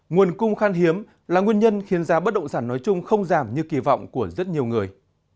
nguồn cung khan hiếm là nguyên nhân khiến giá bất động sản nói chung không giảm như kỳ vọng của rất nhiều người